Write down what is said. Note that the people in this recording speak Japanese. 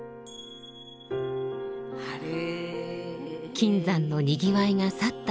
金山のにぎわいが去った